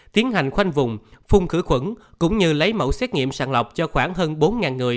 tiến hành khoanh vùng phun khử khuẩn cũng như lấy mẫu xét nghiệm sàng lọc cho khoảng hơn bốn người